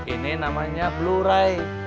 ini namanya blu ray